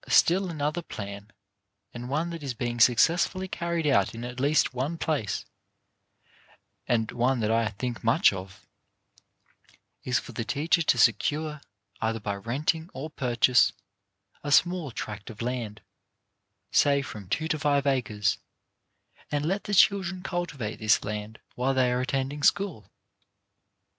Still another plan, and one that is being successfully carried out in at least one place, and one that I think much of, is for the teacher to secure, either by renting or purchase, a small tract of land — say from two to five acres — and let the children cultivate this land while they are attending school.